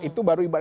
itu baru ibarat